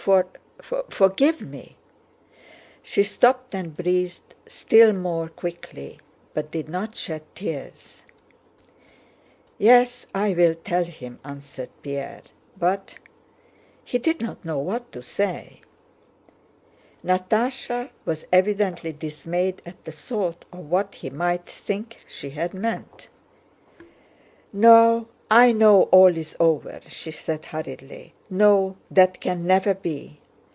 forgive me!" She stopped and breathed still more quickly, but did not shed tears. "Yes... I will tell him," answered Pierre; "but..." He did not know what to say. Natásha was evidently dismayed at the thought of what he might think she had meant. "No, I know all is over," she said hurriedly. "No, that can never be.